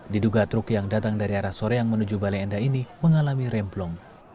diduga truk yang datang dari arah sore yang menuju balenda ini mengalami remblong